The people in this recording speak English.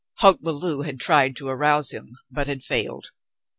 Hoke Belew had tried to arouse him, but had failed.